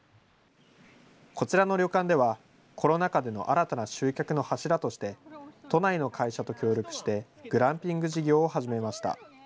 こちらの旅館では、コロナ禍での新たな集客の柱として、都内の会社と協力して、グランピング事業を始めました。